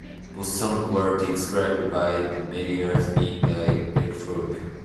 Both songs were described by the media as being electropop.